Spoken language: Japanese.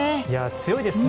強いですね。